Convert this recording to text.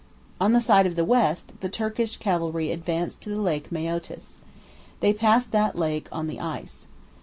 On the side of the West, the Turkish cavalry advanced to the Lake Maeotis. They passed that lake on the ice.